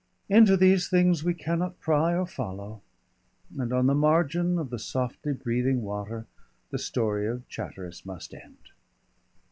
Into these things we cannot pry or follow, and on the margin of the softly breathing water the story of Chatteris must end.